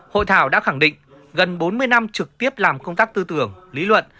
hội thảo đã khẳng định gần bốn mươi năm trực tiếp làm công tác tư tưởng lý luận